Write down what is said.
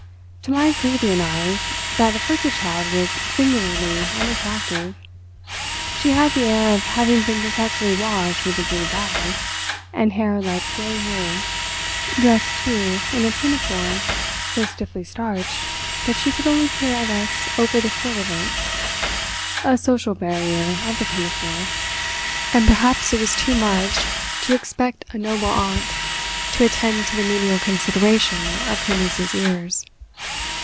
To my plebeian eyes that afflicted child was singularly unattractive. She had the air of having been perpetually washed with a blue bag, and hair like grey wool—dressed, too, in a pinafore so stiffly starched that she could only peer at us over the frill of it—a social barrier of a pinafore—and perhaps it was too much to expect a noble aunt to attend to the menial consideration of her niece's ears.